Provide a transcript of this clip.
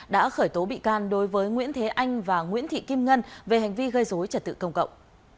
đã khởi tố bị can đối với nguyễn thế anh và nguyễn thị kim ngân về hành vi gây dối trật tự công cộng